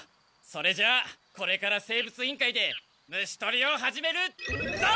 それじゃこれから生物委員会で虫とりを始めるぞ！